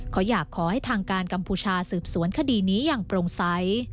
เขาอยากขอให้ทางการกัมพูชาสืบสวนคดีนี้อย่างโปร่งใส